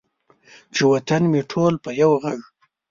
چې وطن مې ټول په یو ږغ،